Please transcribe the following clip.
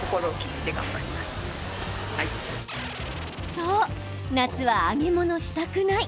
そう、夏は揚げ物したくない。